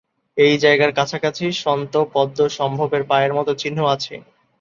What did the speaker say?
এই জায়গার কাছাকাছি সন্ত পদ্মসম্ভবের পায়ের মত চিহ্ন আছে।